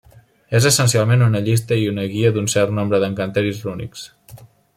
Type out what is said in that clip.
És essencialment una llista i una guia d'un cert nombre d'encanteris rúnics.